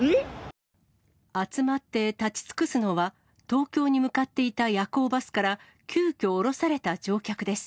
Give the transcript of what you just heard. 集まって立ち尽くすのは、東京に向かっていた夜行バスから、急きょ、降ろされた乗客です。